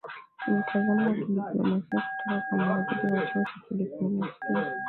ni mtazamo wa kidiplomasia kutoka kwa mhadhiri wa chuo cha diplomasia